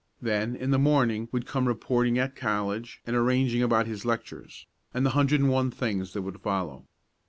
Then in the morning would come reporting at college and arranging about his lectures and the hundred and one things that would follow.